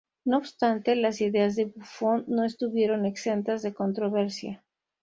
No obstante, las ideas de Buffon no estuvieron exentas de controversia.